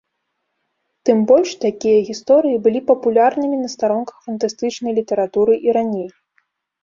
Тым больш, такія гісторыі былі папулярнымі на старонках фантастычнай літаратуры і раней.